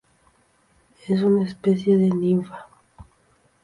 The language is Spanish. Es una especie de ninfa.